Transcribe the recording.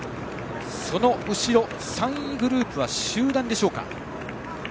その後ろ、３位グループは集団でしょうか。